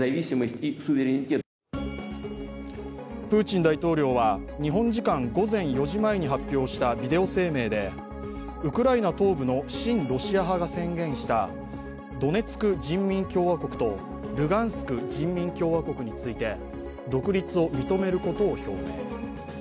プーチン大統領は、日本時間午前４時前に発表したビデオ声明で、ウクライナ東部の親ロシア派が宣言したドネツク人民共和国とルガンスク人民共和国について独立を認めることを表明。